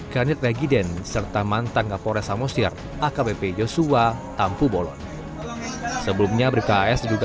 dan kandit rekiden serta mantan capores samosir akbp joshua tampu bolon sebelumnya berita es juga